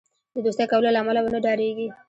د دوستی کولو له امله ونه ډاریږي.